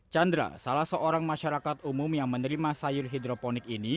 chandra salah seorang masyarakat umum yang menerima sayur hidroponik